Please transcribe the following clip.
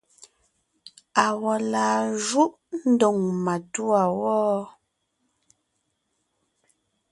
Awɔ̌ laa júʼ ndóŋ matûa wɔ́?